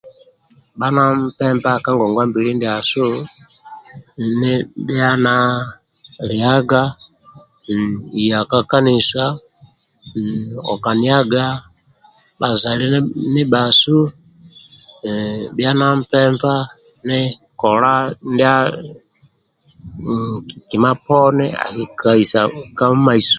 Bha na mpempa ka ngongwa mbili ndiasu ni bha na liaga iya ka kanisa okaniaga bhazaire ndibhasu ehhh bha na mpempa ni kola kima poni ni ka isa ka mumaiso